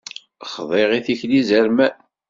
Xḍiɣ i tikli izerman.